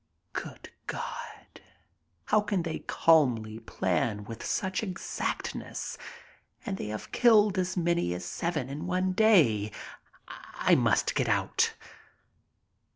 Good God! How can they calmly plan with such exactness ? And they have killed as many as seven in one day. I must get out.